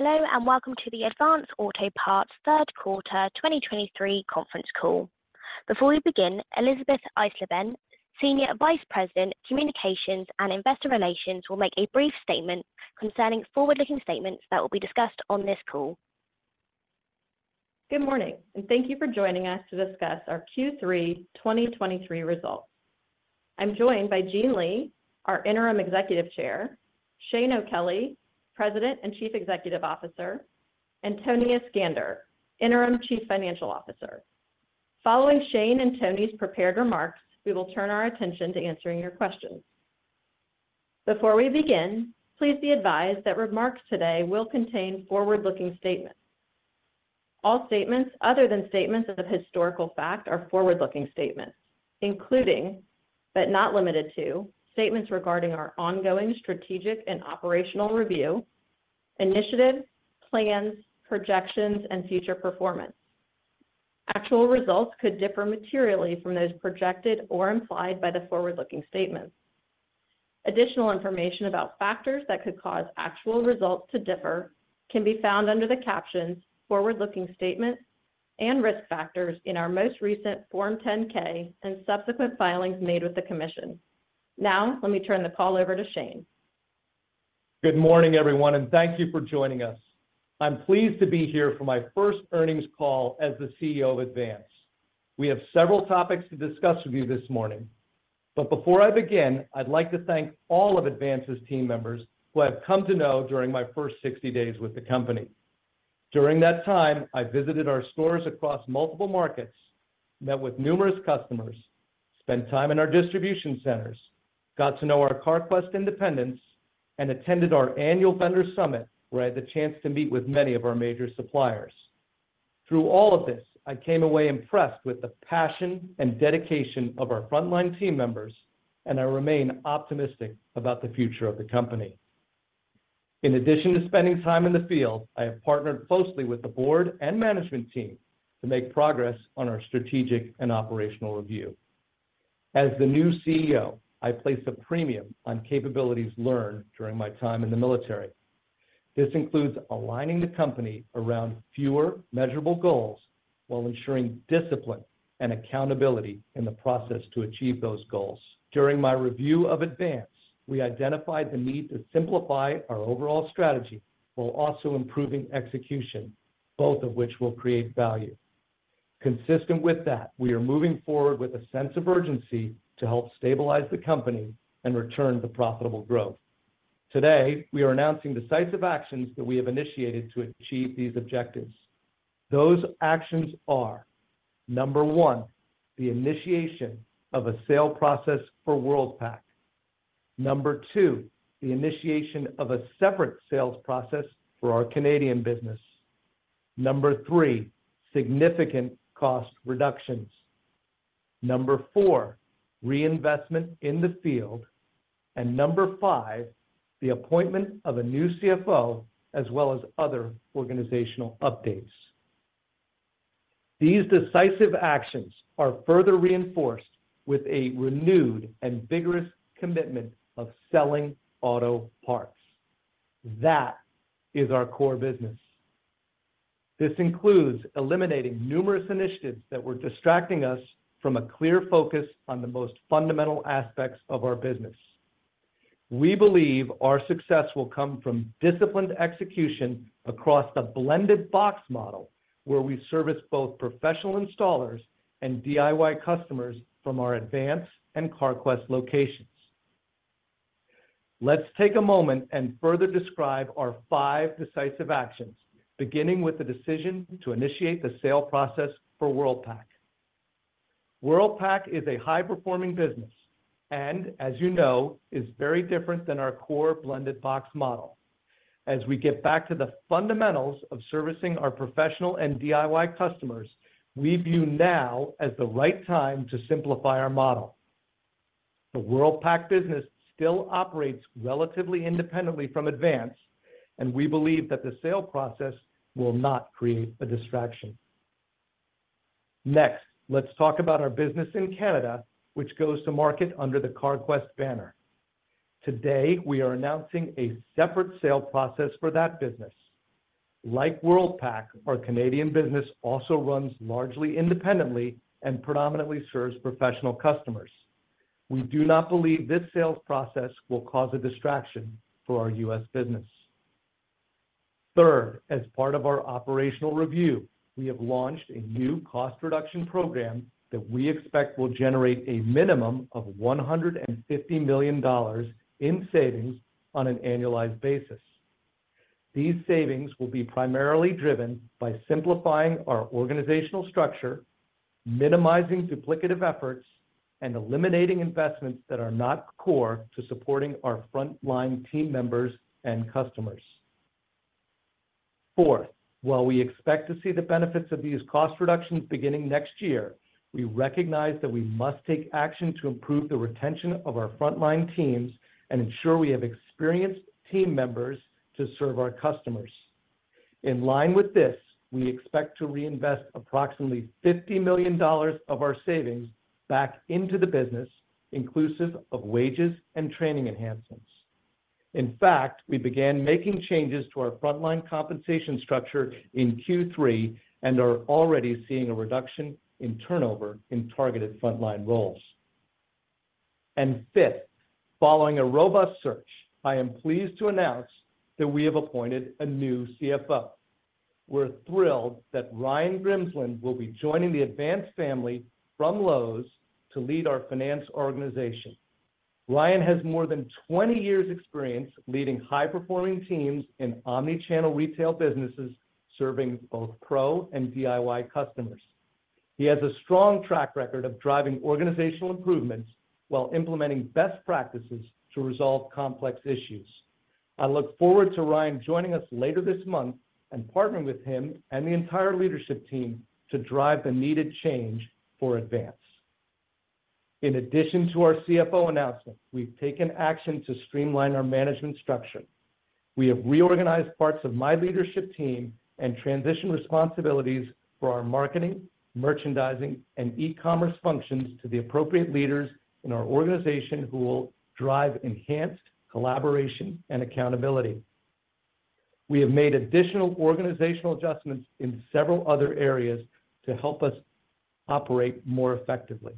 Hello, and welcome to the Advance Auto Parts third quarter 2023 conference call. Before we begin, Elisabeth Eisleben, Senior Vice President, Communications and Investor Relations, will make a brief statement concerning forward-looking statements that will be discussed on this call. Good morning, and thank you for joining us to discuss our Q3 2023 results. I'm joined by Gene Lee, our Interim Executive Chair, Shane O'Kelly, President and Chief Executive Officer, and Tony Iskander, Interim Chief Financial Officer. Following Shane and Tony's prepared remarks, we will turn our attention to answering your questions. Before we begin, please be advised that remarks today will contain forward-looking statements. All statements other than statements of historical fact are forward-looking statements, including, but not limited to, statements regarding our ongoing strategic and operational review, initiatives, plans, projections, and future performance. Actual results could differ materially from those projected or implied by the forward-looking statements. Additional information about factors that could cause actual results to differ can be found under the captions "Forward-Looking Statements" and "Risk Factors" in our most recent Form 10-K and subsequent filings made with the Commission. Now, let me turn the call over to Shane. Good morning, everyone, and thank you for joining us. I'm pleased to be here for my first earnings call as the CEO of Advance. We have several topics to discuss with you this morning. Before I begin, I'd like to thank all of Advance's team members who I have come to know during my first 60 days with the company. During that time, I visited our stores across multiple markets, met with numerous customers, spent time in our distribution centers, got to know our Carquest independents, and attended our annual Vendor Summit, where I had the chance to meet with many of our major suppliers. Through all of this, I came away impressed with the passion and dedication of our frontline team members, and I remain optimistic about the future of the company. In addition to spending time in the field, I have partnered closely with the board and management team to make progress on our strategic and operational review. As the new CEO, I place a premium on capabilities learned during my time in the military. This includes aligning the company around fewer measurable goals while ensuring discipline and accountability in the process to achieve those goals. During my review of Advance, we identified the need to simplify our overall strategy while also improving execution, both of which will create value. Consistent with that, we are moving forward with a sense of urgency to help stabilize the company and return to profitable growth. Today, we are announcing decisive actions that we have initiated to achieve these objectives. Those actions are: number one, the initiation of a sale process for Worldpac. Number 2, the initiation of a separate sales process for our Canadian business. Number 3, significant cost reductions. Number 4, reinvestment in the field. And number 5, the appointment of a new CFO, as well as other organizational updates. These decisive actions are further reinforced with a renewed and vigorous commitment of selling auto parts. That is our core business. This includes eliminating numerous initiatives that were distracting us from a clear focus on the most fundamental aspects of our business. We believe our success will come from disciplined execution across the Blended Box Model, where we service both professional installers and DIY customers from our Advance and Carquest locations. Let's take a moment and further describe our 5 decisive actions, beginning with the decision to initiate the sale process for Worldpac. Worldpac is a high-performing business, and, as you know, is very different than our core Blended Box Model. As we get back to the fundamentals of servicing our professional and DIY customers, we view now as the right time to simplify our model. The Worldpac business still operates relatively independently from Advance, and we believe that the sale process will not create a distraction. Next, let's talk about our business in Canada, which goes to market under the Carquest banner. Today, we are announcing a separate sale process for that business. Like Worldpac, our Canadian business also runs largely independently and predominantly serves professional customers. We do not believe this sales process will cause a distraction for our U.S. business. Third, as part of our operational review, we have launched a new cost reduction program that we expect will generate a minimum of $150 million in savings on an annualized basis. These savings will be primarily driven by simplifying our organizational structure, minimizing duplicative efforts, and eliminating investments that are not core to supporting our frontline team members and customers. Fourth, while we expect to see the benefits of these cost reductions beginning next year, we recognize that we must take action to improve the retention of our frontline teams and ensure we have experienced team members to serve our customers. In line with this, we expect to reinvest approximately $50 million of our savings back into the business, inclusive of wages and training enhancements. In fact, we began making changes to our frontline compensation structure in Q3, and are already seeing a reduction in turnover in targeted frontline roles. And fifth, following a robust search, I am pleased to announce that we have appointed a new CFO. We're thrilled that Ryan Grimsland will be joining the Advance family from Lowe's to lead our finance organization. Ryan has more than 20 years experience leading high-performing teams in omni-channel retail businesses, serving both Pro and DIY customers. He has a strong track record of driving organizational improvements while implementing best practices to resolve complex issues. I look forward to Ryan joining us later this month and partnering with him and the entire leadership team to drive the needed change for Advance. In addition to our CFO announcement, we've taken action to streamline our management structure. We have reorganized parts of my leadership team and transitioned responsibilities for our marketing, merchandising, and e-commerce functions to the appropriate leaders in our organization, who will drive enhanced collaboration and accountability. We have made additional organizational adjustments in several other areas to help us operate more effectively.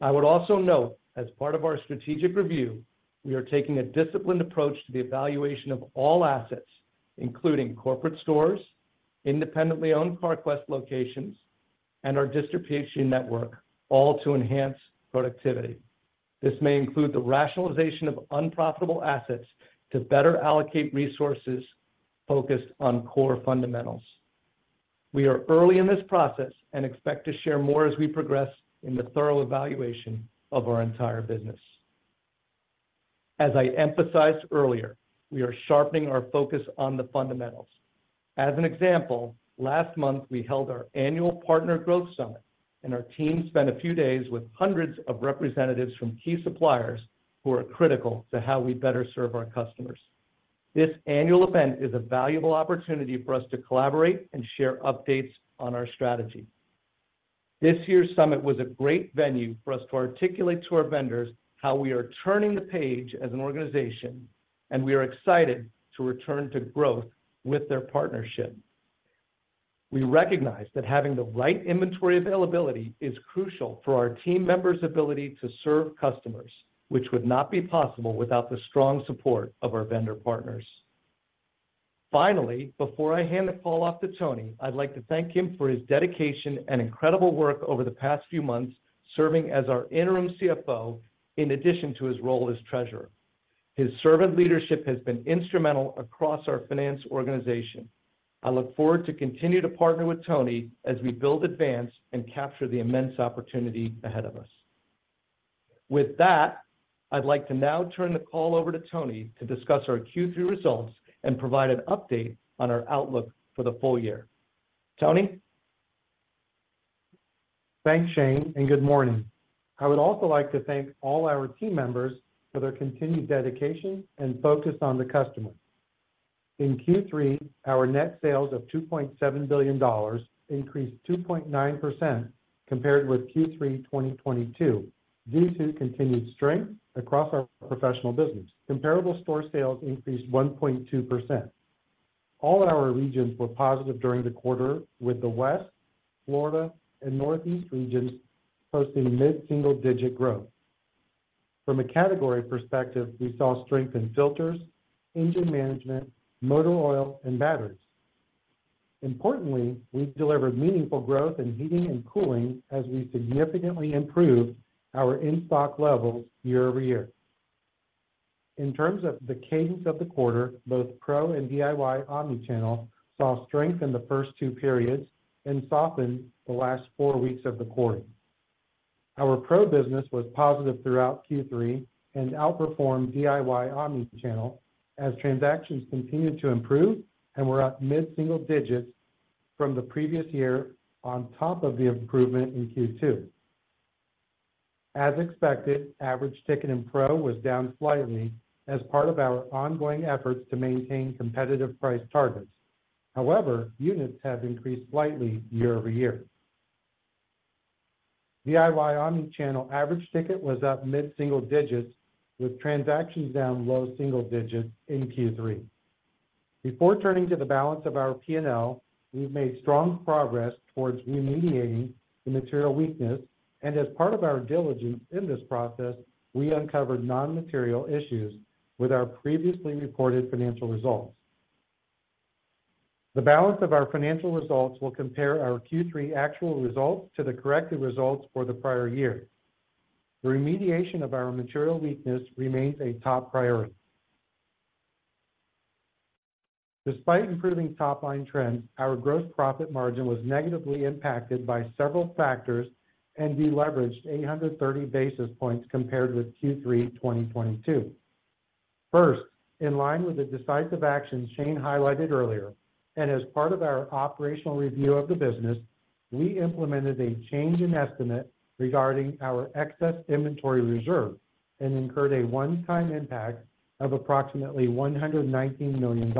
I would also note, as part of our strategic review, we are taking a disciplined approach to the evaluation of all assets, including corporate stores, independently owned Carquest locations, and our distribution network, all to enhance productivity. This may include the rationalization of unprofitable assets to better allocate resources focused on core fundamentals. We are early in this process and expect to share more as we progress in the thorough evaluation of our entire business. As I emphasized earlier, we are sharpening our focus on the fundamentals. As an example, last month, we held our annual Partner Growth Summit, and our team spent a few days with hundreds of representatives from key suppliers who are critical to how we better serve our customers. This annual event is a valuable opportunity for us to collaborate and share updates on our strategy. This year's summit was a great venue for us to articulate to our vendors how we are turning the page as an organization, and we are excited to return to growth with their partnership. We recognize that having the right inventory availability is crucial for our team members' ability to serve customers, which would not be possible without the strong support of our vendor partners. Finally, before I hand the call off to Tony, I'd like to thank him for his dedication and incredible work over the past few months, serving as our interim CFO, in addition to his role as treasurer. His servant leadership has been instrumental across our finance organization. I look forward to continue to partner with Tony as we build Advance and capture the immense opportunity ahead of us. With that, I'd like to now turn the call over to Tony to discuss our Q3 results and provide an update on our outlook for the full year. Tony? Thanks, Shane, and good morning. I would also like to thank all our team members for their continued dedication and focus on the customer. In Q3, our net sales of $2.7 billion increased 2.9% compared with Q3 2022, due to continued strength across our professional business. Comparable store sales increased 1.2%. All our regions were positive during the quarter, with the West, Florida, and Northeast regions posting mid-single-digit growth. From a category perspective, we saw strength in filters, engine management, motor oil, and batteries. Importantly, we've delivered meaningful growth in heating and cooling as we significantly improved our in-stock levels year-over-year. In terms of the cadence of the quarter, both Pro and DIY omni-channel saw strength in the first two periods and softened the last four weeks of the quarter. Our Pro business was positive throughout Q3 and outperformed DIY omni-channel, as transactions continued to improve and were up mid-single digits from the previous year on top of the improvement in Q2. As expected, average ticket in Pro was down slightly as part of our ongoing efforts to maintain competitive price targets. However, units have increased slightly year-over-year. DIY omni-channel average ticket was up mid-single digits, with transactions down low single digits in Q3. Before turning to the balance of our P&L, we've made strong progress towards remediating the material weakness, and as part of our diligence in this process, we uncovered non-material issues with our previously reported financial results. The balance of our financial results will compare our Q3 actual results to the corrected results for the prior year. The remediation of our material weakness remains a top priority. Despite improving top-line trends, our gross profit margin was negatively impacted by several factors and deleveraged 830 basis points compared with Q3 2022. First, in line with the decisive actions Shane highlighted earlier, and as part of our operational review of the business, we implemented a change in estimate regarding our excess inventory reserve and incurred a one-time impact of approximately $119 million.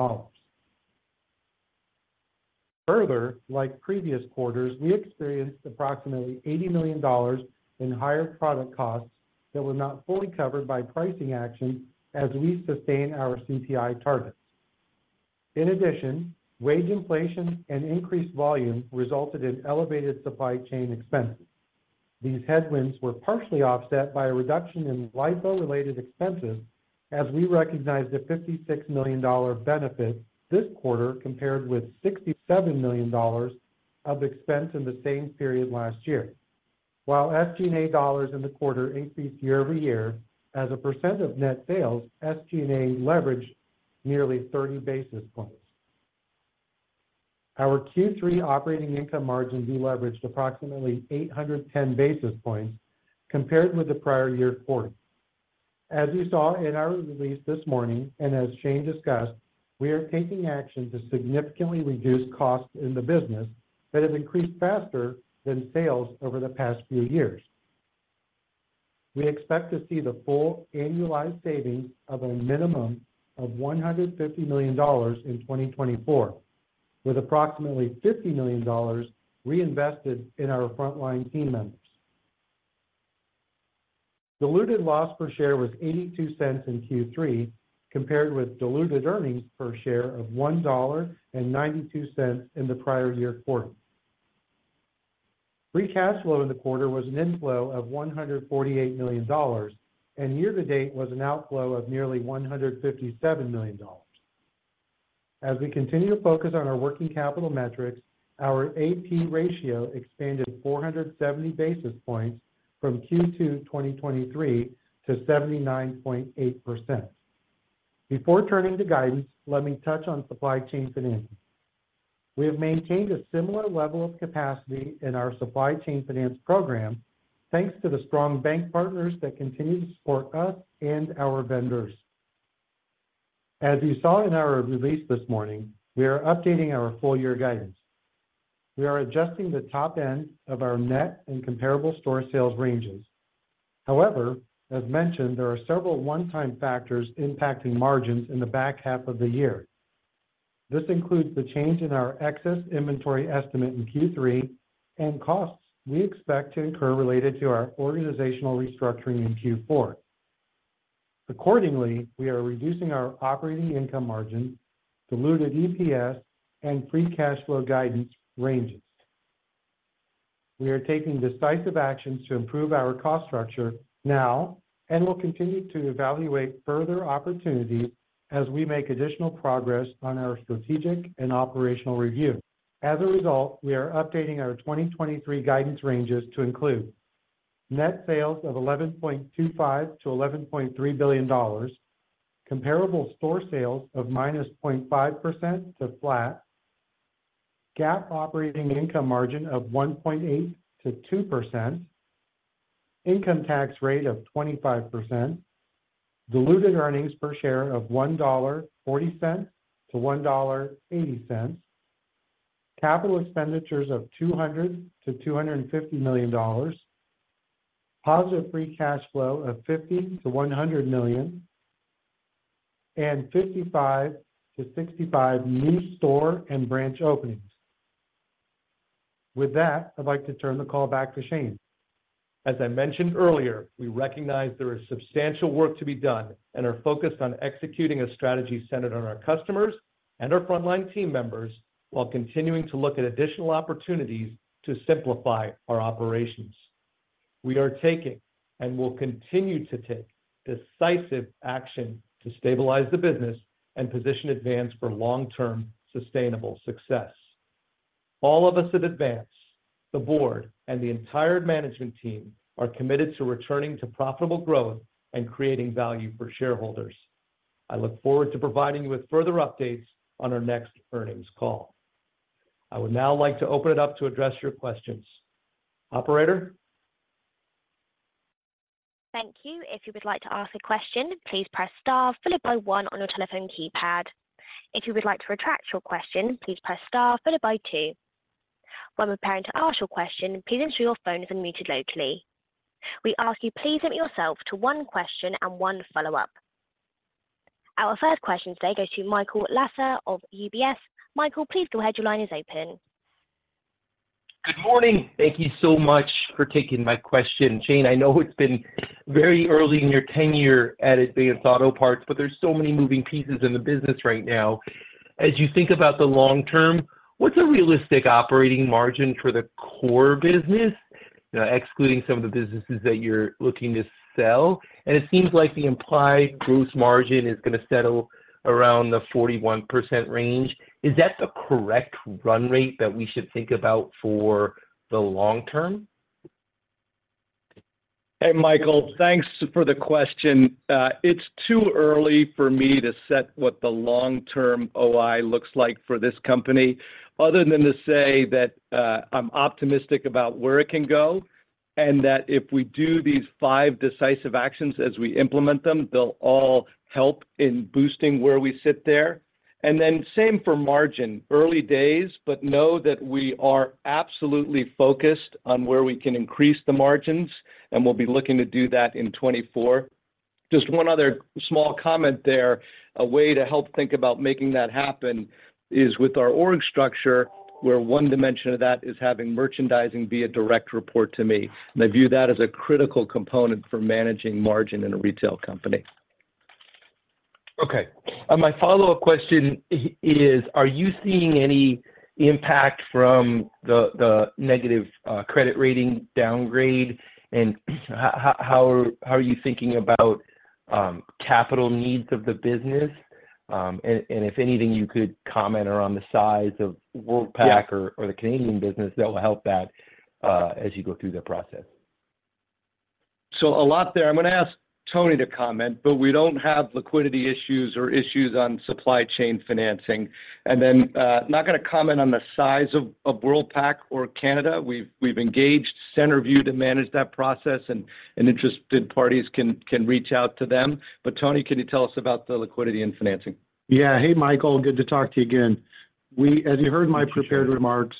Further, like previous quarters, we experienced approximately $80 million in higher product costs that were not fully covered by pricing actions as we sustain our CPI targets. In addition, wage inflation and increased volume resulted in elevated supply chain expenses. These headwinds were partially offset by a reduction in LIFO-related expenses, as we recognized a $56 million dollar benefit this quarter, compared with $67 million dollars of expense in the same period last year. While SG&A dollars in the quarter increased year-over-year as a percent of net sales, SG&A leveraged nearly 30 basis points. Our Q3 operating income margin deleveraged approximately 810 basis points compared with the prior year quarter. As you saw in our release this morning, and as Shane discussed, we are taking action to significantly reduce costs in the business that have increased faster than sales over the past few years. We expect to see the full annualized savings of a minimum of $150 million in 2024, with approximately $50 million reinvested in our frontline team members. Diluted loss per share was $0.82 in Q3, compared with diluted earnings per share of $1.92 in the prior year quarter. Free cash flow in the quarter was an inflow of $148 million, and year to date was an outflow of nearly $157 million. As we continue to focus on our working capital metrics, our AP ratio expanded 470 basis points from Q2 2023 to 79.8%. Before turning to guidance, let me touch on supply chain finance. We have maintained a similar level of capacity in our supply chain finance program, thanks to the strong bank partners that continue to support us and our vendors. As you saw in our release this morning, we are updating our full-year guidance. We are adjusting the top end of our net and comparable store sales ranges. However, as mentioned, there are several one-time factors impacting margins in the back half of the year. This includes the change in our excess inventory estimate in Q3 and costs we expect to incur related to our organizational restructuring in Q4. Accordingly, we are reducing our operating income margin, diluted EPS, and free cash flow guidance ranges. We are taking decisive actions to improve our cost structure now and will continue to evaluate further opportunities as we make additional progress on our strategic and operational review. As a result, we are updating our 2023 guidance ranges to include net sales of $11.25 billion-$11.3 billion, comparable store sales of -0.5% to flat, GAAP operating income margin of 1.8%-2%, income tax rate of 25%, diluted earnings per share of $1.40-$1.80, capital expenditures of $200 million-$250 million, positive free cash flow of $50 million-$100 million, and 55-65 new store and branch openings. With that, I'd like to turn the call back to Shane. As I mentioned earlier, we recognize there is substantial work to be done and are focused on executing a strategy centered on our customers and our frontline team members, while continuing to look at additional opportunities to simplify our operations. We are taking, and will continue to take, decisive action to stabilize the business and position Advance for long-term sustainable success. All of us at Advance, the board, and the entire management team are committed to returning to profitable growth and creating value for shareholders. I look forward to providing you with further updates on our next earnings call. I would now like to open it up to address your questions. Operator? Thank you. If you would like to ask a question, please press star followed by one on your telephone keypad. If you would like to retract your question, please press star followed by two. When preparing to ask your question, please ensure your phone is unmuted locally. We ask you please limit yourself to one question and one follow-up. Our first question today goes to Michael Lasser of UBS. Michael, please go ahead. Your line is open. Good morning. Thank you so much for taking my question. Shane, I know it's been very early in your tenure at Advance Auto Parts, but there's so many moving pieces in the business right now. As you think about the long term, what's a realistic operating margin for the core business, excluding some of the businesses that you're looking to sell? And it seems like the implied gross margin is gonna settle around the 41% range. Is that the correct run rate that we should think about for the long term? Hey, Michael, thanks for the question. It's too early for me to set what the long-term OI looks like for this company, other than to say that, I'm optimistic about where it can go, and that if we do these five decisive actions as we implement them, they'll all help in boosting where we sit there. And then same for margin, early days, but know that we are absolutely focused on where we can increase the margins, and we'll be looking to do that in 2024.... Just one other small comment there. A way to help think about making that happen is with our org structure, where one dimension of that is having merchandising be a direct report to me. I view that as a critical component for managing margin in a retail company. Okay. My follow-up question is, are you seeing any impact from the, the negative credit rating downgrade? And how are you thinking about capital needs of the business? And if anything, you could comment around the size of Worldpac- Yes or the Canadian business, that will help that, as you go through the process. So a lot there. I'm going to ask Tony to comment, but we don't have liquidity issues or issues on supply chain financing. And then, not gonna comment on the size of Worldpac or Canada. We've engaged Centerview to manage that process, and interested parties can reach out to them. But, Tony, can you tell us about the liquidity and financing? Yeah. Hey, Michael, good to talk to you again. We, as you heard my prepared remarks,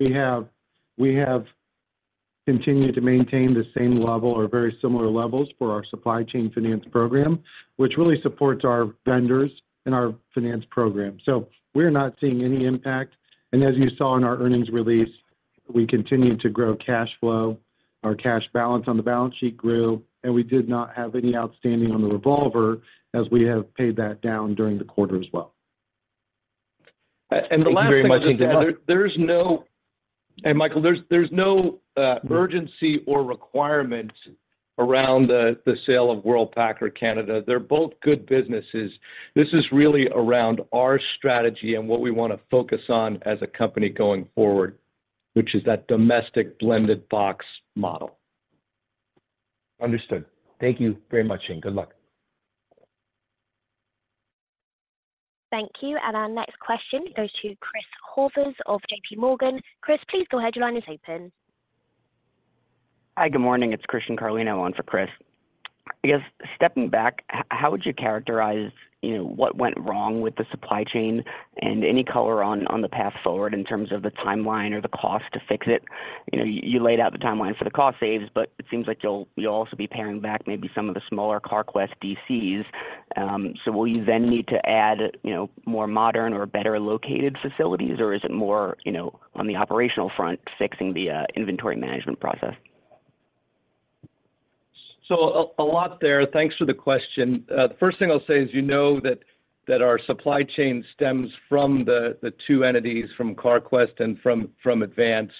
we have, we have continued to maintain the same level or very similar levels for our supply chain finance program, which really supports our vendors and our finance program. So we're not seeing any impact. And as you saw in our earnings release, we continued to grow cash flow. Our cash balance on the balance sheet grew, and we did not have any outstanding on the revolver as we have paid that down during the quarter as well. Thank you very much- Michael, there's no urgency or requirement around the sale of Worldpac or Canada. They're both good businesses. This is really around our strategy and what we want to focus on as a company going forward, which is that domestic blended box model. Understood. Thank you very much, and good luck. Thank you. And our next question goes to Chris Horvers of J.P. Morgan. Chris, please go ahead. Your line is open. Hi, good morning. It's Christian Carlino on for Chris. I guess, stepping back, how would you characterize, you know, what went wrong with the supply chain and any color on the path forward in terms of the timeline or the cost to fix it? You know, you laid out the timeline for the cost saves, but it seems like you'll also be paring back maybe some of the smaller Carquest DCs. So will you then need to add, you know, more modern or better located facilities, or is it more, you know, on the operational front, fixing the inventory management process? So, a lot there. Thanks for the question. The first thing I'll say is, you know, that our supply chain stems from the two entities, from Carquest and from Advance.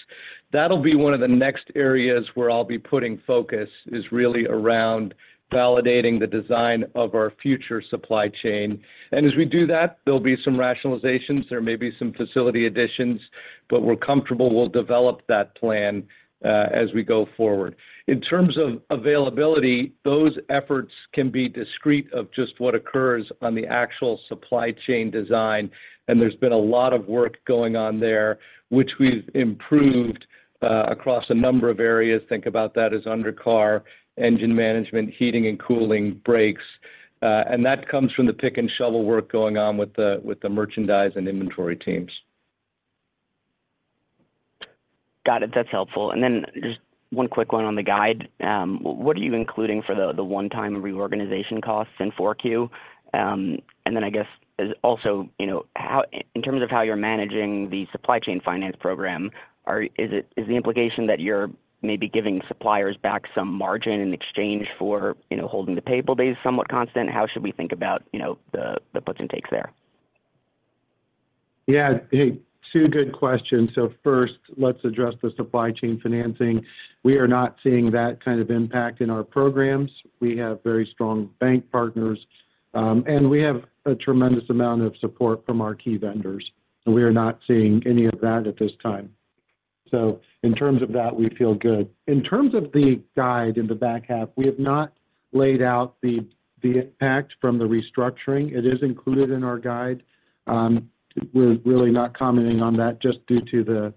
That'll be one of the next areas where I'll be putting focus, is really around validating the design of our future supply chain. And as we do that, there'll be some rationalizations, there may be some facility additions, but we're comfortable we'll develop that plan as we go forward. In terms of availability, those efforts can be discrete of just what occurs on the actual supply chain design, and there's been a lot of work going on there, which we've improved across a number of areas. Think about that as undercar, engine management, heating and cooling, brakes, and that comes from the pick-and-shovel work going on with the merchandise and inventory teams. Got it. That's helpful. And then just one quick one on the guide. What are you including for the one-time reorganization costs in 4Q? And then I guess, also, you know, how, in terms of how you're managing the supply chain finance program, is the implication that you're maybe giving suppliers back some margin in exchange for, you know, holding the payable days somewhat constant? How should we think about, you know, the puts and takes there? Yeah, hey, two good questions. So first, let's address the supply chain financing. We are not seeing that kind of impact in our programs. We have very strong bank partners, and we have a tremendous amount of support from our key vendors, so we are not seeing any of that at this time. So in terms of that, we feel good. In terms of the guide in the back half, we have not laid out the impact from the restructuring. It is included in our guide. We're really not commenting on that just due to the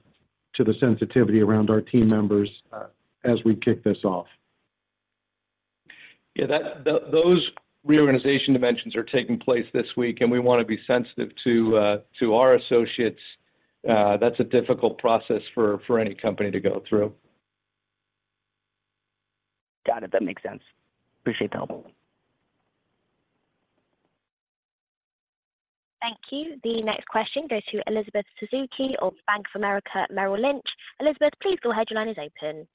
sensitivity around our team members, as we kick this off. Yeah, that those reorganization dimensions are taking place this week, and we want to be sensitive to our associates. That's a difficult process for any company to go through. Got it. That makes sense. Appreciate the help. Thank you. The next question goes to Elizabeth Suzuki of Bank of America, Merrill Lynch. Elizabeth, please go ahead. Your line is open.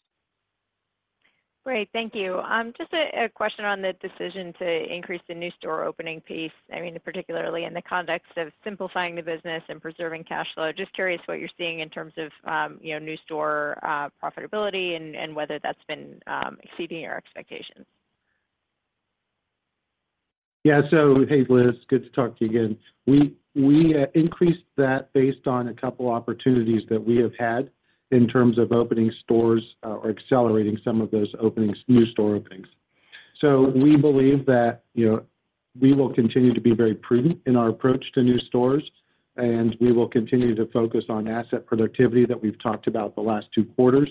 Great. Thank you. Just a question on the decision to increase the new store opening piece. I mean, particularly in the context of simplifying the business and preserving cash flow. Just curious what you're seeing in terms of, you know, new store profitability and whether that's been exceeding your expectations. Yeah. So, hey, Liz, good to talk to you again. We increased that based on a couple opportunities that we have had in terms of opening stores or accelerating some of those openings, new store openings. So we believe that, you know, we will continue to be very prudent in our approach to new stores, and we will continue to focus on asset productivity that we've talked about the last two quarters,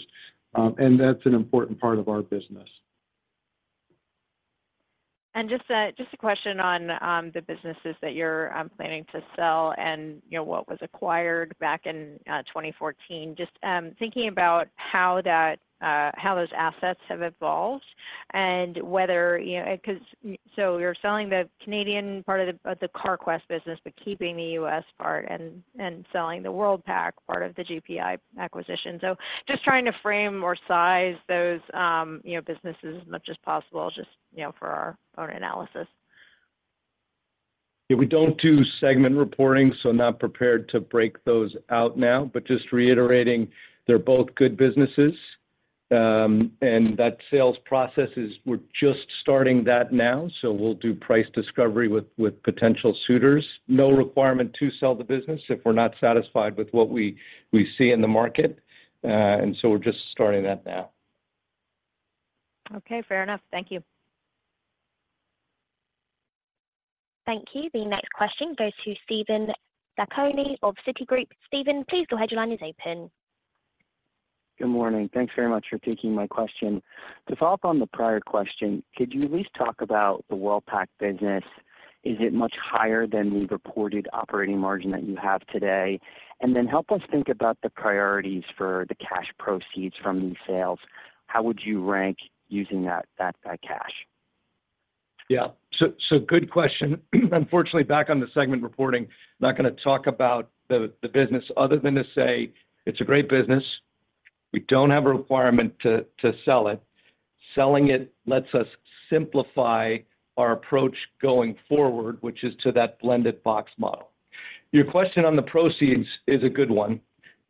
and that's an important part of our business. ... Just a question on the businesses that you're planning to sell and, you know, what was acquired back in 2014. Just thinking about how that, how those assets have evolved and whether, you know, 'cause so you're selling the Canadian part of the Carquest business, but keeping the U.S. part and selling the Worldpac part of the GPI acquisition. So just trying to frame or size those, you know, businesses as much as possible, just, you know, for our analysis. Yeah, we don't do segment reporting, so I'm not prepared to break those out now. But just reiterating, they're both good businesses. And that sales process is, we're just starting that now, so we'll do price discovery with potential suitors. No requirement to sell the business if we're not satisfied with what we see in the market, and so we're just starting that now. Okay, fair enough. Thank you. Thank you. The next question goes to Steven Zaccone of Citigroup. Steven, please go ahead. Your line is open. Good morning. Thanks very much for taking my question. To follow up on the prior question, could you at least talk about the Worldpac business? Is it much higher than the reported operating margin that you have today? And then help us think about the priorities for the cash proceeds from these sales. How would you rank using that cash? Yeah. So, so good question. Unfortunately, back on the segment reporting, not gonna talk about the, the business other than to say it's a great business. We don't have a requirement to, to sell it. Selling it lets us simplify our approach going forward, which is to that Blended Box Model. Your question on the proceeds is a good one.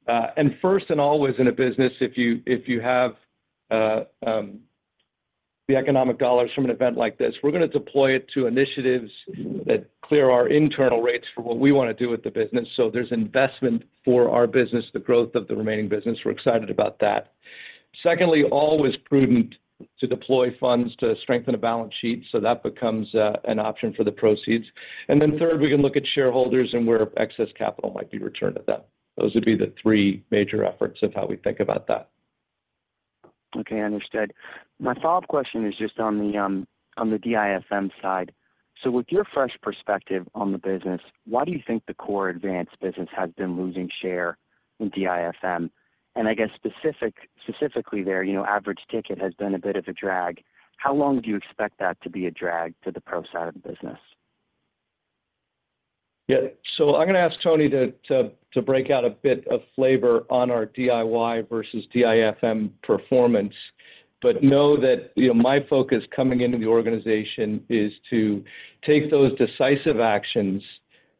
And first and always in a business, if you, if you have the economic dollars from an event like this, we're gonna deploy it to initiatives that clear our internal rates for what we wanna do with the business. So there's investment for our business, the growth of the remaining business. We're excited about that. Secondly, always prudent to deploy funds to strengthen a balance sheet, so that becomes an option for the proceeds. Then third, we can look at shareholders and where excess capital might be returned to them. Those would be the three major efforts of how we think about that. Okay, understood. My follow-up question is just on the DIFM side. So with your fresh perspective on the business, why do you think the core Advance business has been losing share in DIFM? And I guess specifically there, you know, average ticket has been a bit of a drag. How long do you expect that to be a drag to the pro side of the business? Yeah. So I'm gonna ask Tony to break out a bit of flavor on our DIY versus DIFM performance. But know that, you know, my focus coming into the organization is to take those decisive actions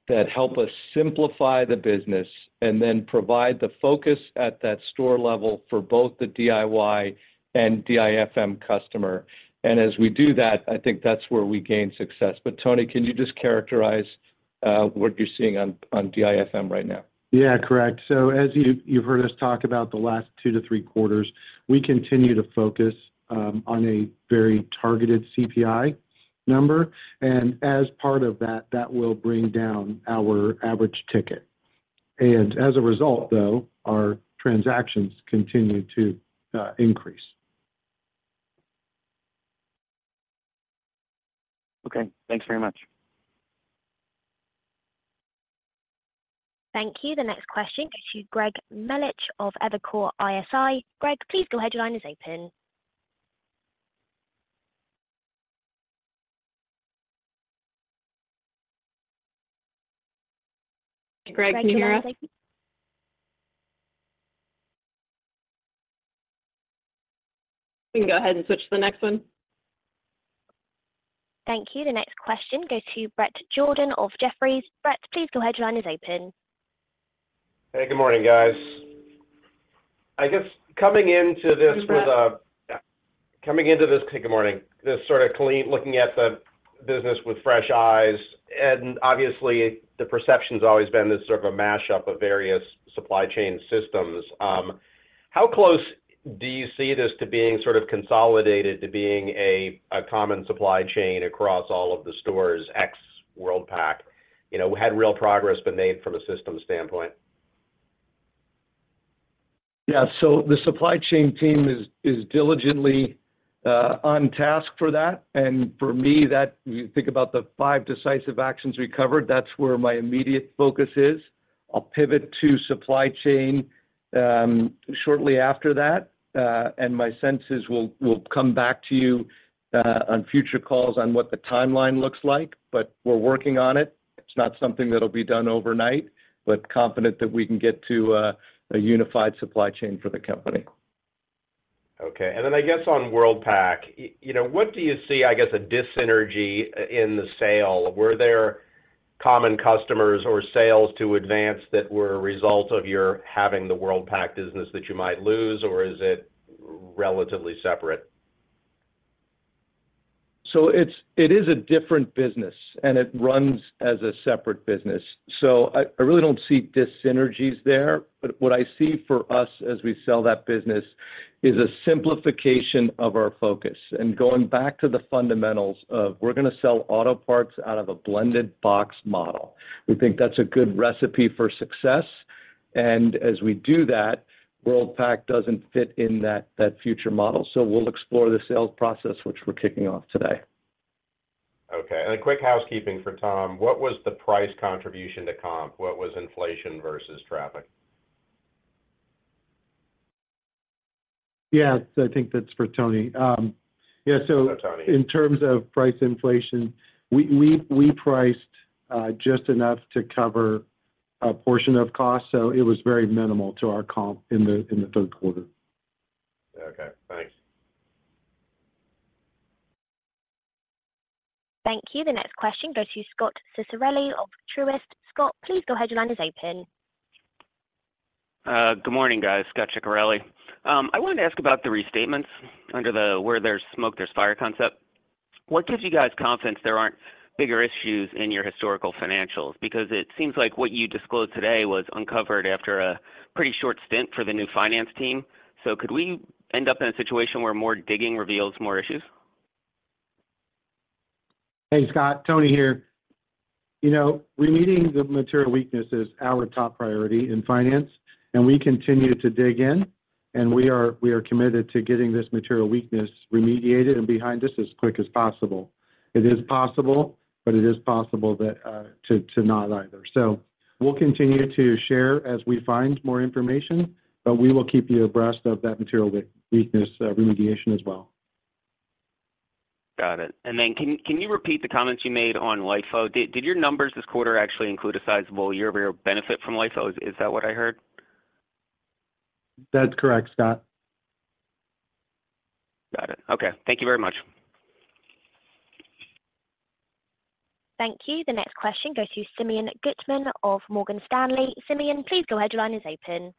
that help us simplify the business and then provide the focus at that store level for both the DIY and DIFM customer. And as we do that, I think that's where we gain success. But, Tony, can you just characterize what you're seeing on DIFM right now? Yeah, correct. So as you've heard us talk about the last two to three quarters, we continue to focus on a very targeted CPI number, and as part of that, that will bring down our average ticket. And as a result, though, our transactions continue to increase. Okay, thanks very much. Thank you. The next question goes to Greg Melich of Evercore ISI. Greg, please go ahead. Your line is open. Greg, can you hear us? Greg, can you- We can go ahead and switch to the next one. Thank you. The next question goes to Bret Jordan of Jefferies. Bret, please go ahead. Your line is open. Hey, good morning, guys. I guess coming into this with a- Good morning, Bret. Yeah. Coming into this... Hey, good morning. This sort of clean-looking at the business with fresh eyes, and obviously, the perception's always been this sort of a mashup of various supply chain systems. How close do you see this to being sort of consolidated, to being a, a common supply chain across all of the stores, ex Worldpac? You know, had real progress been made from a system standpoint? Yeah. So the supply chain team is diligently on task for that. And for me, that... You think about the five decisive actions we covered, that's where my immediate focus is. I'll pivot to supply chain shortly after that, and my sense is we'll come back to you on future calls on what the timeline looks like, but we're working on it. It's not something that'll be done overnight, but confident that we can get to a unified supply chain for the company. Okay. And then I guess on Worldpac, you know, what do you see, I guess, a dis-synergy in the sale? Were there common customers or sales to Advance that were a result of your having the Worldpac business that you might lose, or is it relatively separate? So it is a different business, and it runs as a separate business. So I really don't see dyssynergies there, but what I see for us as we sell that business is a simplification of our focus. And going back to the fundamentals of we're gonna sell auto parts out of a blended box model. We think that's a good recipe for success. And as we do that, Worldpac doesn't fit in that future model, so we'll explore the sales process, which we're kicking off today. Okay. A quick housekeeping for Tom: What was the price contribution to comp? What was inflation versus traffic? Yeah, so I think that's for Tony. Yeah, so- Go Tony. Yeah. So in terms of price inflation, we priced just enough to cover a portion of cost, so it was very minimal to our comp in the third quarter. Okay, thanks. Thank you. The next question goes to Scot Ciccarelli of Truist. Scot, please go ahead. Your line is open. Good morning, guys. Scot Ciccarelli. I wanted to ask about the restatements under the where there's smoke, there's fire concept. What gives you guys confidence there aren't bigger issues in your historical financials? Because it seems like what you disclosed today was uncovered after a pretty short stint for the new finance team. So could we end up in a situation where more digging reveals more issues? Hey, Scot, Tony here. You know, remediating the material weakness is our top priority in finance, and we continue to dig in, and we are, we are committed to getting this material weakness remediated and behind us as quick as possible. It is possible, but it is possible that not either. So we'll continue to share as we find more information, but we will keep you abreast of that material weakness remediation as well. Got it. And then can you repeat the comments you made on LIFO? Did your numbers this quarter actually include a sizable year-over-year benefit from LIFO? Is that what I heard? That's correct, Scot. Got it. Okay. Thank you very much. Thank you. The next question goes to Simeon Gutman of Morgan Stanley. Simeon, please go ahead. Your line is open.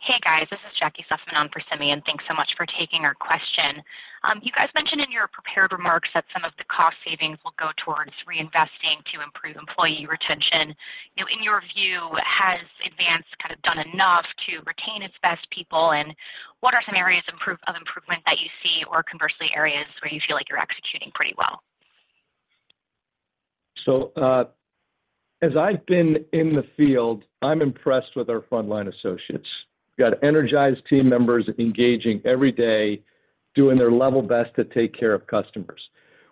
Hey, guys, this is Jackie Sussman on for Simeon. Thanks so much for taking our question. You guys mentioned in your prepared remarks that some of the cost savings will go towards reinvesting to improve employee retention. You know, in your view, has Advance kind of done enough to retain its best people, and what are some areas of improvement that you see, or conversely, areas where you feel like you're executing pretty well? So, as I've been in the field, I'm impressed with our frontline associates. We've got energized team members engaging every day, doing their level best to take care of customers.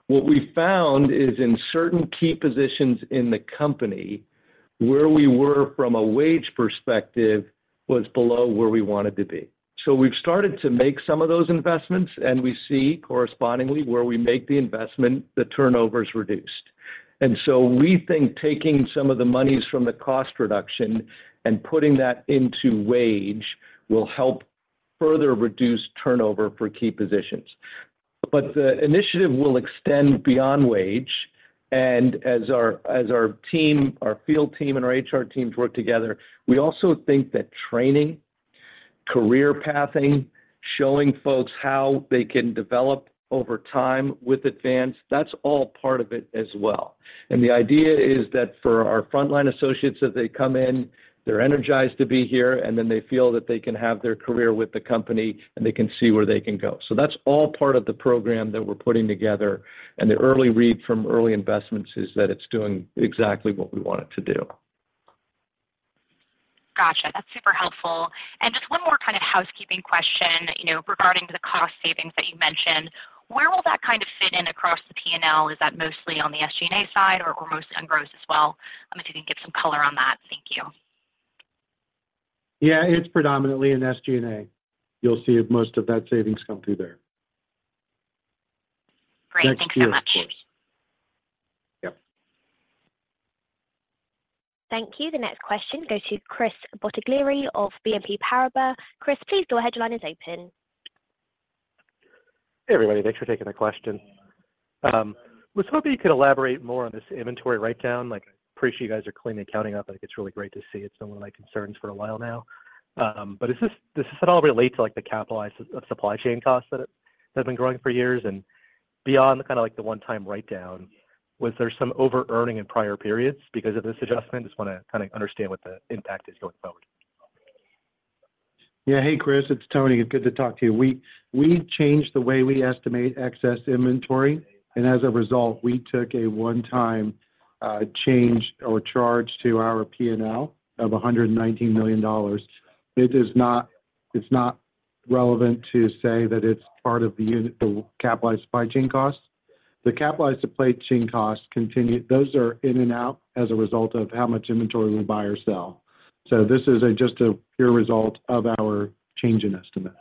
What we found is in certain key positions in the company, where we were from a wage perspective, was below where we wanted to be. So we've started to make some of those investments, and we see correspondingly, where we make the investment, the turnover is reduced. And so we think taking some of the monies from the cost reduction and putting that into wage will help further reduce turnover for key positions. But the initiative will extend beyond wage, and as our team, our field team, and our HR teams work together, we also think that training, career pathing, showing folks how they can develop over time with Advance, that's all part of it as well. The idea is that for our frontline associates, as they come in, they're energized to be here, and then they feel that they can have their career with the company and they can see where they can go. That's all part of the program that we're putting together, and the early read from early investments is that it's doing exactly what we want it to do. Gotcha. That's super helpful. And just one more kind of housekeeping question, you know, regarding the cost savings that you mentioned. Where will that kind of fit in across the P&L? Is that mostly on the SG&A side or, or gross and gross as well? I'm wondering if you can give some color on that. Thank you. Yeah, it's predominantly in SG&A. You'll see most of that savings come through there. Great. Next year, of course. Thanks so much. Yep. Thank you. The next question goes to Chris Bottiglieri of BNP Paribas. Chris, please, your headline is open. Hey, everybody, thanks for taking the question. Was hoping you could elaborate more on this inventory write-down. Like, I appreciate you guys are cleaning accounting up, and I think it's really great to see. It's been one of my concerns for a while now. But does this, does this at all relate to, like, the capitalization of supply chain costs that has been growing for years? And beyond the, kind of, like, the one-time write-down, was there some overearning in prior periods because of this adjustment? I just wanna kind of understand what the impact is going forward. Yeah. Hey, Chris, it's Tony. It's good to talk to you. We, we changed the way we estimate excess inventory, and as a result, we took a one-time change or charge to our P&L of $119 million. It is not. It's not relevant to say that it's part of the unit, the capitalized supply chain costs. The capitalized supply chain costs continue. Those are in and out as a result of how much inventory we buy or sell. So this is a just a pure result of our change in estimate.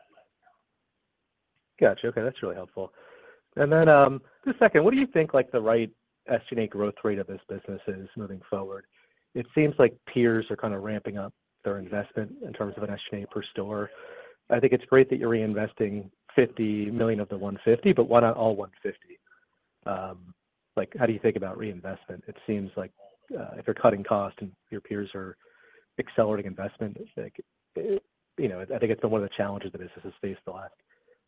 Gotcha. Okay, that's really helpful. And then, just second, what do you think, like, the right SG&A growth rate of this business is moving forward? It seems like peers are kind of ramping up their investment in terms of an SG&A per store. I think it's great that you're reinvesting $50 million of the $150, but why not all $150? Like, how do you think about reinvestment? It seems like, if you're cutting costs and your peers are accelerating investment, it's like, you know, I think it's one of the challenges the business has faced the last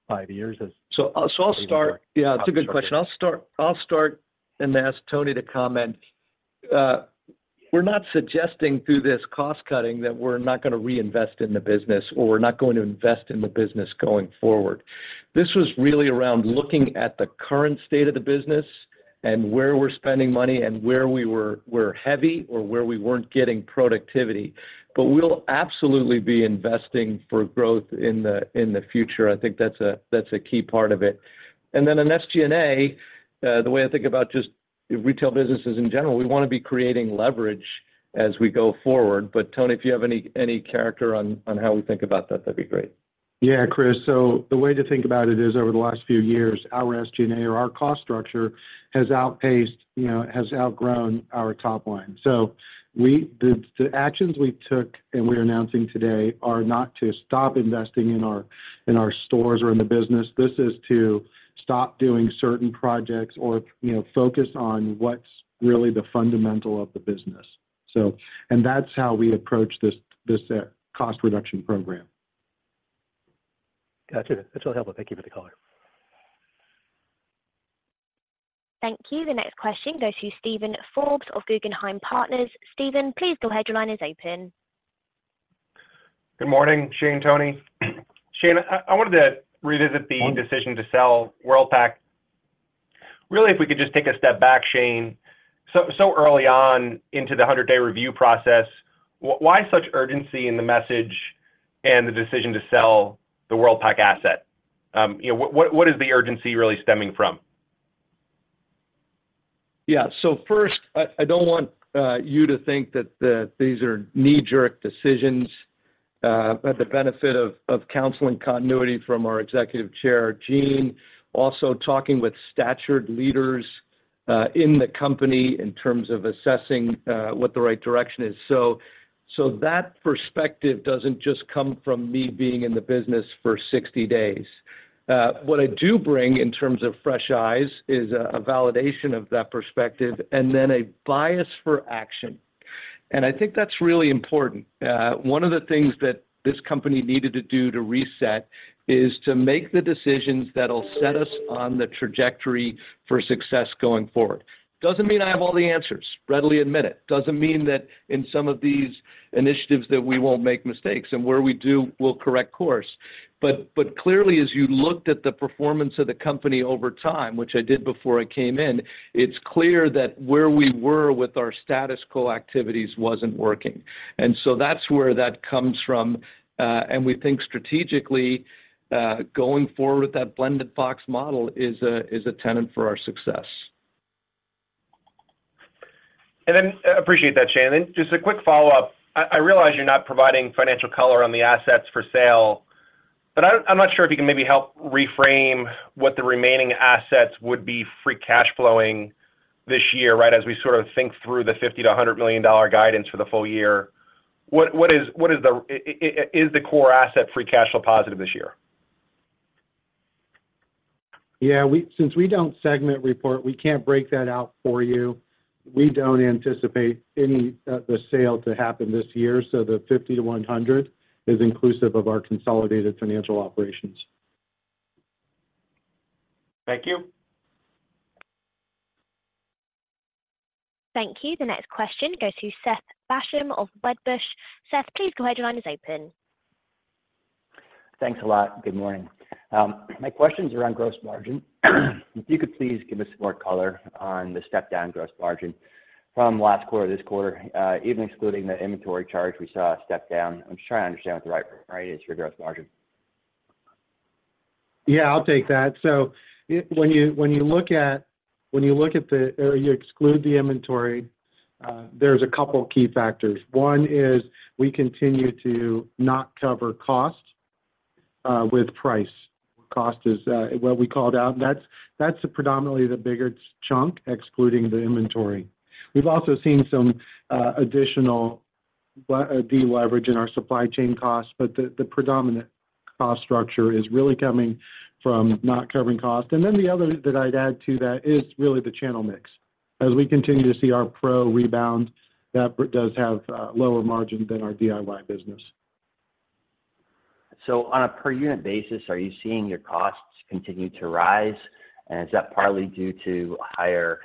five years is- So I'll start. Yeah, it's a good question. I'll start and ask Tony to comment. We're not suggesting through this cost-cutting that we're not gonna reinvest in the business or we're not going to invest in the business going forward. This was really around looking at the current state of the business and where we're spending money and where we were heavy or where we weren't getting productivity. But we'll absolutely be investing for growth in the future. I think that's a key part of it. And then in SG&A, the way I think about just retail businesses in general, we wanna be creating leverage as we go forward. But, Tony, if you have any color on how we think about that, that'd be great. Yeah, Chris. So the way to think about it is, over the last few years, our SG&A or our cost structure has outpaced, you know, has outgrown our top line. So, the actions we took and we're announcing today are not to stop investing in our stores or in the business. This is to stop doing certain projects or, you know, focus on what's really the fundamental of the business. So, and that's how we approach this cost reduction program. Gotcha. That's really helpful. Thank you for the color. Thank you. The next question goes to Steven Forbes of Guggenheim Partners. Steven, please go ahead, your line is open. Good morning, Shane, Tony. Shane, I wanted to revisit the- Welcome... decision to sell Worldpac. Really, if we could just take a step back, Shane. So early on into the 100-day review process, why such urgency in the message and the decision to sell the Worldpac asset? You know, what is the urgency really stemming from? Yeah. So first, I, I don't want you to think that these are knee-jerk decisions, but the benefit of, of counsel and continuity from our Executive Chair, Gene, also talking with seasoned leaders in the company in terms of assessing what the right direction is. So, so that perspective doesn't just come from me being in the business for 60 days. What I do bring in terms of fresh eyes is a, a validation of that perspective, and then a bias for action. And I think that's really important. One of the things that this company needed to do to reset is to make the decisions that'll set us on the trajectory for success going forward. Doesn't mean I have all the answers, readily admit it. Doesn't mean that in some of these initiatives that we won't make mistakes, and where we do, we'll correct course. But clearly, as you looked at the performance of the company over time, which I did before I came in, it's clear that where we were with our status quo activities wasn't working. And so that's where that comes from, and we think strategically, going forward with that Blended Box Model is a tenet for our success. Then, appreciate that, Shane. Just a quick follow-up. I realize you're not providing financial color on the assets for sale, but I'm not sure if you can maybe help reframe what the remaining assets would be free cash flowing this year, right? As we sort of think through the $50 million-$100 million guidance for the full year, what is the... Is the core asset free cash flow positive this year? Yeah, since we don't segment report, we can't break that out for you. We don't anticipate any, the sale to happen this year, so the $50-$100 is inclusive of our consolidated financial operations. Thank you. Thank you. The next question goes to Seth Basham of Wedbush. Seth, please go ahead. Your line is open. Thanks a lot. Good morning. My questions are on gross margin. If you could please give us more color on the step-down gross margin from last quarter to this quarter. Even excluding the inventory charge, we saw a step down. I'm just trying to understand what the right, right is for gross margin. Yeah, I'll take that. So when you look at the inventory or exclude the inventory, there's a couple key factors. One is we continue to not cover cost with price. Cost is what we called out, and that's predominantly the bigger chunk, excluding the inventory. We've also seen some additional de-leverage in our supply chain costs, but the predominant cost structure is really coming from not covering cost. And then the other that I'd add to that is really the channel mix. As we continue to see our Pro rebound, that Pro does have lower margin than our DIY business. So on a per unit basis, are you seeing your costs continue to rise, and is that partly due to higher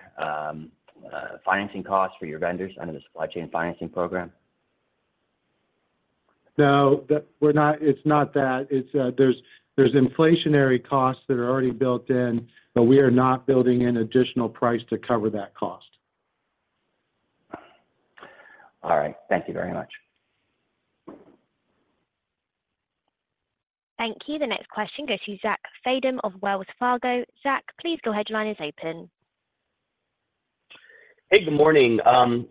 financing costs for your vendors under the supply chain financing program? No, we're not, it's not that. It's, there's inflationary costs that are already built in, but we are not building in additional price to cover that cost. All right. Thank you very much. Thank you. The next question goes to Zach Fadem of Wells Fargo. Zach, please, your headline is open. Hey, good morning.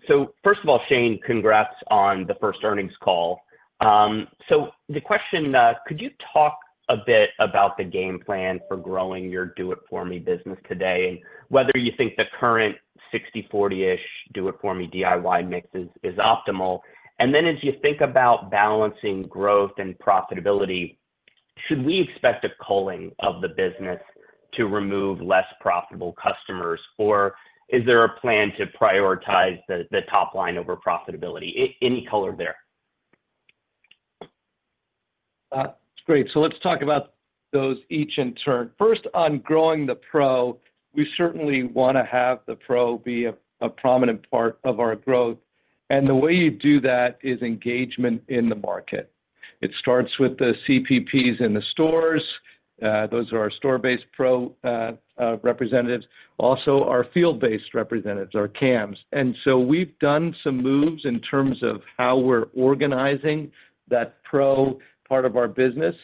So first of all, Shane, congrats on the first earnings call. So the question, could you talk a bit about the game plan for growing your Do It For Me business today, and whether you think the current 60/40-ish Do It For Me, DIY mix is optimal? And then as you think about balancing growth and profitability, should we expect a culling of the business to remove less profitable customers, or is there a plan to prioritize the top line over profitability? Any color there. It's great. So let's talk about those each in turn. First, on growing the Pro, we certainly wanna have the Pro be a prominent part of our growth, and the way you do that is engagement in the market. It starts with the CPPs in the stores, those are our store-based pro representatives, also our field-based representatives, our CAMs. And so we've done some moves in terms of how we're organizing that pro part of our business,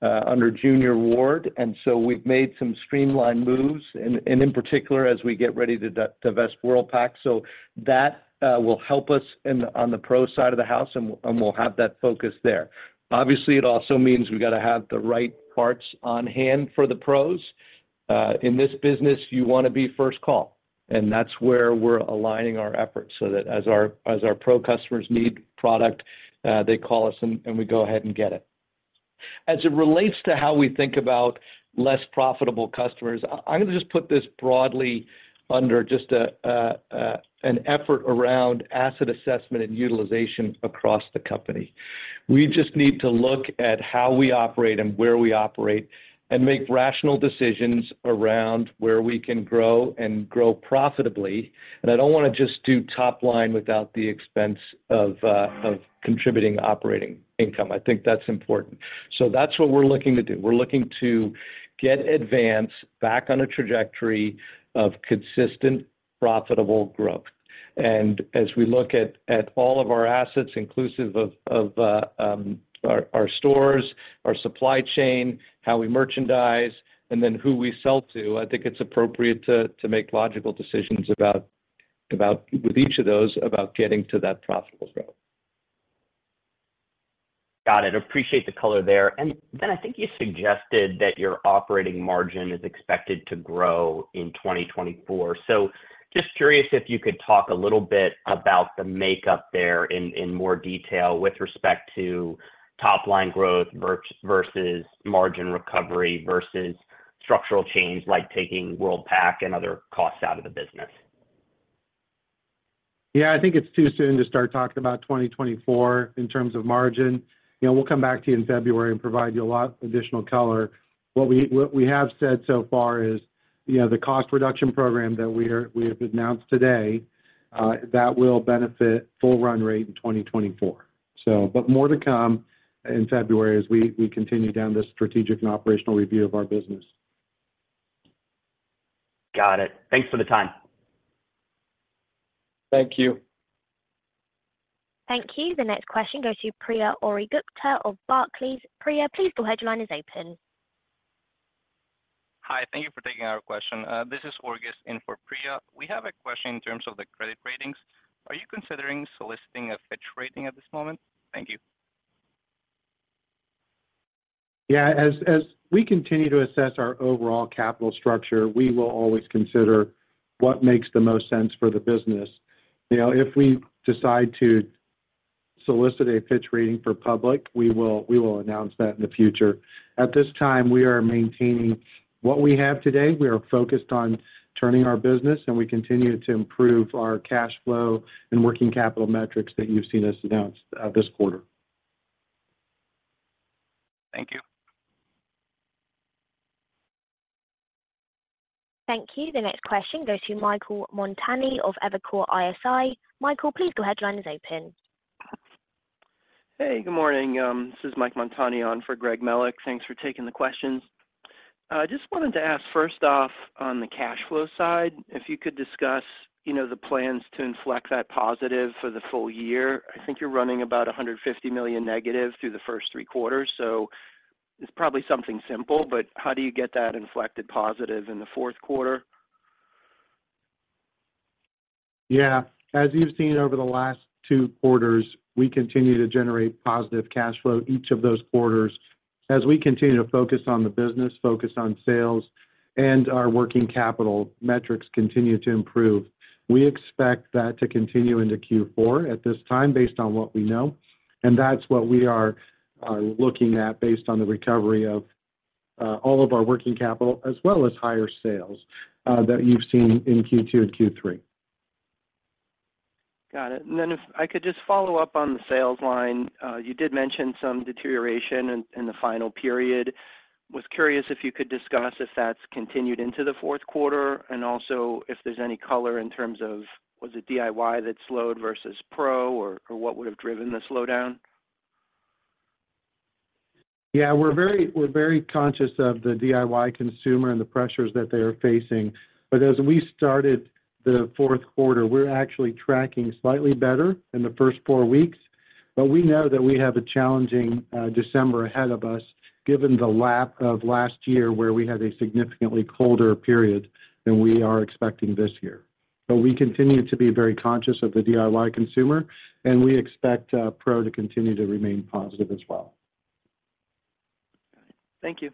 under Junior Word. And so we've made some streamlined moves, and in particular, as we get ready to divest Worldpac. So that will help us on the pro side of the house, and we'll have that focus there. Obviously, it also means we've got to have the right parts on hand for the pros. In this business, you want to be first call, and that's where we're aligning our efforts so that as our pro customers need product, they call us, and we go ahead and get it. As it relates to how we think about less profitable customers, I'm going to just put this broadly under just an effort around asset assessment and utilization across the company. We just need to look at how we operate and where we operate and make rational decisions around where we can grow and grow profitably. And I don't want to just do top line without the expense of contributing operating income. I think that's important. So that's what we're looking to do. We're looking to get Advance back on a trajectory of consistent, profitable growth. As we look at all of our assets, inclusive of our stores, our supply chain, how we merchandise, and then who we sell to, I think it's appropriate to make logical decisions about with each of those, about getting to that profitable growth. Got it. Appreciate the color there. And then I think you suggested that your operating margin is expected to grow in 2024. So just curious if you could talk a little bit about the makeup there in more detail with respect to top line growth versus margin recovery, versus structural change, like taking Worldpac and other costs out of the business. Yeah, I think it's too soon to start talking about 2024 in terms of margin. You know, we'll come back to you in February and provide you a lot additional color. What we, what we have said so far is, you know, the cost reduction program that we are we have announced today that will benefit full run rate in 2024. So, but more to come in February as we, we continue down this strategic and operational review of our business. Got it. Thanks for the time. Thank you. Thank you. The next question goes to Priya Ohri-Gupta of Barclays. Priya, please go ahead. Your line is open. Hi, thank you for taking our question. This is Auguste in for Priya. We have a question in terms of the credit ratings. Are you considering soliciting a Fitch rating at this moment? Thank you. Yeah, as we continue to assess our overall capital structure, we will always consider what makes the most sense for the business. You know, if we decide to solicit a Fitch rating for public, we will announce that in the future. At this time, we are maintaining what we have today. We are focused on turning our business, and we continue to improve our cash flow and working capital metrics that you've seen us announce this quarter. Thank you. Thank you. The next question goes to Michael Montani of Evercore ISI. Michael, please go ahead. Line is open. Hey, good morning. This is Mike Montani on for Greg Melich. Thanks for taking the questions. Just wanted to ask, first off, on the cash flow side, if you could discuss, you know, the plans to inflect that positive for the full year. I think you're running about $150 million negative through the first three quarters, so it's probably something simple, but how do you get that inflected positive in the fourth quarter? Yeah. As you've seen over the last two quarters, we continue to generate positive cash flow each of those quarters as we continue to focus on the business, focus on sales, and our working capital metrics continue to improve. We expect that to continue into Q4 at this time, based on what we know, and that's what we are looking at based on the recovery of all of our working capital, as well as higher sales that you've seen in Q2 and Q3. Got it. Then if I could just follow up on the sales line, you did mention some deterioration in the final period. Was curious if you could discuss if that's continued into the fourth quarter, and also if there's any color in terms of was it DIY that slowed versus pro or what would have driven the slowdown? Yeah, we're very conscious of the DIY consumer and the pressures that they are facing. But as we started the fourth quarter, we're actually tracking slightly better in the first four weeks. But we know that we have a challenging December ahead of us, given the lap of last year, where we had a significantly colder period than we are expecting this year. But we continue to be very conscious of the DIY consumer, and we expect pro to continue to remain positive as well. Thank you.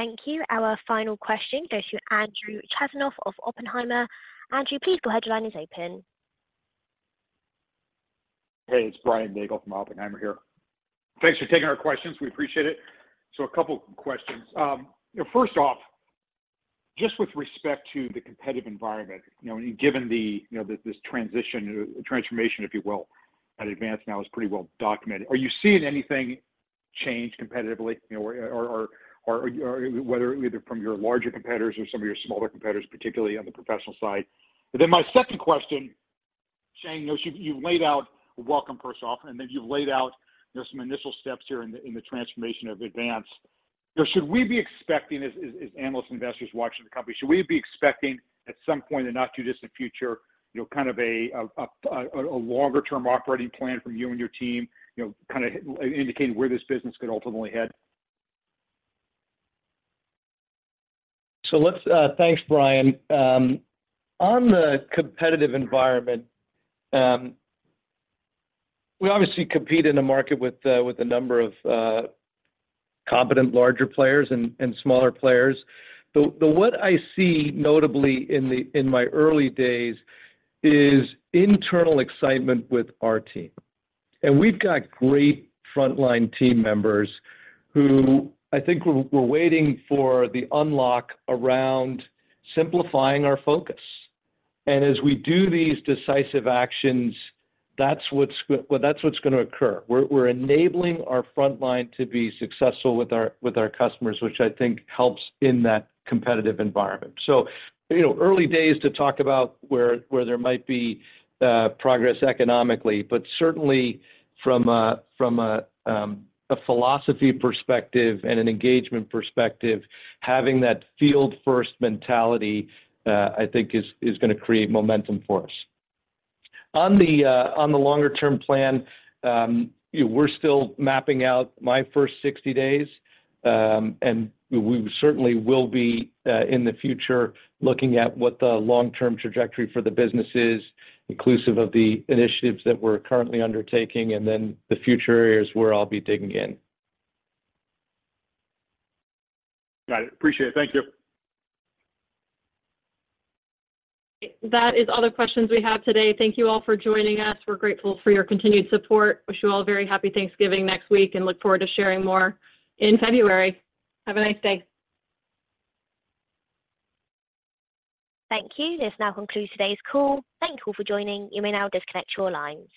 Thank you. Our final question goes to Andrew Chazanow of Oppenheimer. Andrew, please go ahead. Your line is open. Hey, it's Brian Nagel from Oppenheimer here. Thanks for taking our questions. We appreciate it. So a couple of questions. First off, just with respect to the competitive environment, you know, and given the, you know, this, this transition, transformation, if you will, at Advance now is pretty well documented. Are you seeing anything-... change competitively, you know, whether either from your larger competitors or some of your smaller competitors, particularly on the professional side? And then my second question, Shane, you know, you've laid out, welcome, first off, and then you've laid out, you know, some initial steps here in the transformation of Advance. You know, should we be expecting as analysts, investors watching the company, should we be expecting at some point in the not-too-distant future, you know, kind of a longer-term operating plan from you and your team? You know, kind of indicating where this business could ultimately head. So, thanks, Brian. On the competitive environment, we obviously compete in a market with a number of competent larger players and smaller players. What I see notably in my early days is internal excitement with our team. And we've got great frontline team members who I think were waiting for the unlock around simplifying our focus. And as we do these decisive actions, that's what's – well, that's what's going to occur. We're enabling our frontline to be successful with our customers, which I think helps in that competitive environment. So, you know, early days to talk about where there might be progress economically, but certainly from a philosophy perspective and an engagement perspective, having that field-first mentality, I think is going to create momentum for us. On the longer-term plan, you know, we're still mapping out my first 60 days, and we certainly will be in the future looking at what the long-term trajectory for the business is, inclusive of the initiatives that we're currently undertaking, and then the future areas where I'll be digging in. Got it. Appreciate it. Thank you. That is all the questions we have today. Thank you all for joining us. We're grateful for your continued support. Wish you all a very happy Thanksgiving next week, and look forward to sharing more in February. Have a nice day. Thank you. This now concludes today's call. Thank you all for joining. You may now disconnect your lines.